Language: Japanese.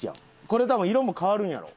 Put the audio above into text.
これ多分色も変わるんやろ。